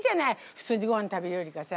普通にごはん食べるよりかさ。